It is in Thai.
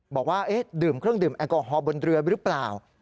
บอกว่าดื่มเครื่องดื่มแอลกอฮอล์บนเรือหรือเปล่า